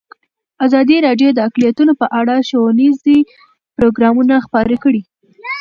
ازادي راډیو د اقلیتونه په اړه ښوونیز پروګرامونه خپاره کړي.